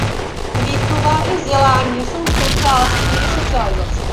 Výchova i vzdělávání jsou součástí socializace.